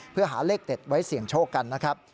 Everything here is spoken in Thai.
เพื่อหาเลขเด็ดไว้เสี่ยงโชคกันนะครับ